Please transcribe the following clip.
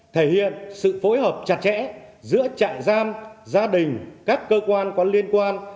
thể hiện sự phối hợp chặt chẽ giữa trại giam gia đình các cơ quan có liên quan